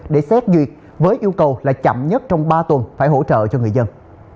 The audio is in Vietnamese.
để xét duyệt với yêu cầu là chậm nhất trong ba tuần phải hỗ trợ cho người dân